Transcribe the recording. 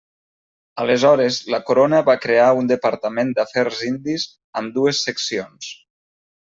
Aleshores la corona va crear un Departament d'afers indis amb dues seccions.